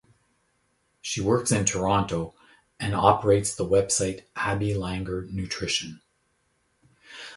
She works in Toronto and operates the website Abby Langer Nutrition.